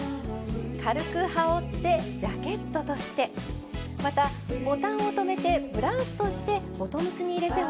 軽くはおってジャケットとしてまたボタンをとめてブラウスとしてボトムスに入れてもすてきです。